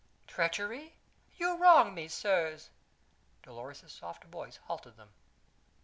"Treachery? Ye wrong me, sirs!" Dolores's soft voice halted them.